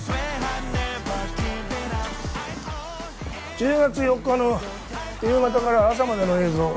１０月４日の夕方から朝までの映像